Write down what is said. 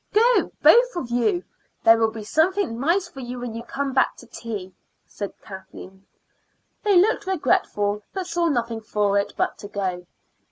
"Go, both of you. There will be something nice for you when you come back to tea," said Kathleen. They looked regretful, but saw nothing for it but to go.